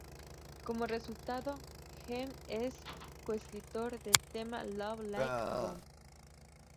Como resultado, Gem es co-escritor del tema "Love Like A Bomb".